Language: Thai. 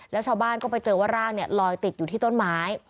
แล้วชาวบ้านก็ไปเจอว่าร่างลอยติดอยู่ที่ต้นไม้